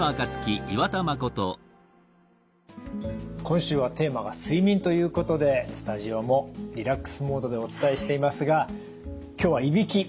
今週はテーマが「睡眠」ということでスタジオもリラックスモードでお伝えしていますが今日はいびき。